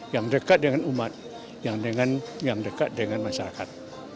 yang dekat dengan umat yang dekat dengan masyarakat